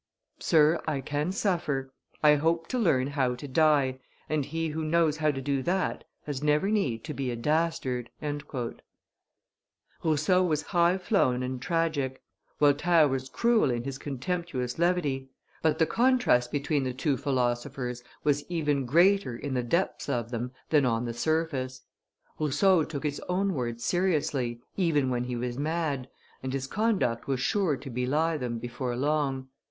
Sir, I can suffer, I hope to learn how to die, and he who knows how to do that has never need to be a dastard." Rousseau was high flown and tragic; Voltaire was cruel in his contemptuous levity; but the contrast between the two philosophers was even greater in the depths of them than on. the surface. Rousseau took his own words seriously, even when he was mad, and his conduct was sure to belie them before long.